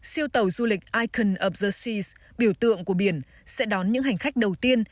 siêu tàu du lịch iken of the seas biểu tượng của biển sẽ đón những hành khách đầu tiên